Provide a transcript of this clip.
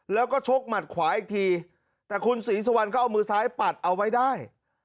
แล้วก็ชกหมัดขวาอีกทีแต่คุณศรีสุวรรณก็เอามือซ้ายปัดเอาไว้ได้